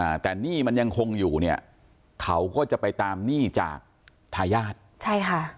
อ่าแต่หนี้มันยังคงอยู่เนี่ยเขาก็จะไปตามหนี้จากทายาทใช่ค่ะ